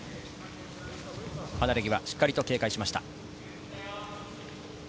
離れぎわ、しっかり警戒しました。